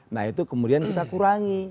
nah itu kemudian kita kurangi